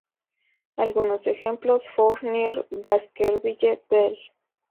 Algunos ejemplos: Fournier, Baskerville, Bell.